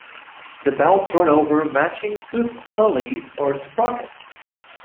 The belts run over matching toothed pulleys or sprockets.